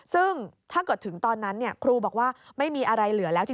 ซึ่งถ้าเกิดถึงตอนนั้นครูบอกว่าไม่มีอะไรเหลือแล้วจริง